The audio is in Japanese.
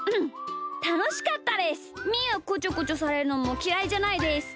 みーはこちょこちょされるのもきらいじゃないです。